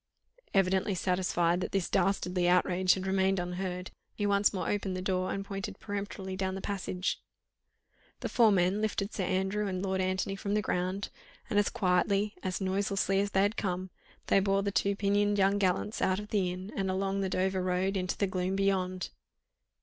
Evidently satisfied that this dastardly outrage had remained unheard, he once more opened the door and pointed peremptorily down the passage. The four men lifted Sir Andrew and Lord Antony from the ground, and as quietly, as noiselessly as they had come, they bore the two pinioned young gallants out of the inn and along the Dover Road into the gloom beyond.